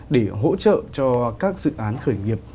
để hỗ trợ cho các dự án khởi nghiệp